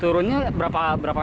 turunnya berapa meter ini